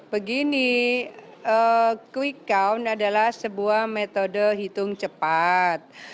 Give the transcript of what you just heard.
begini quick count adalah sebuah metode hitung cepat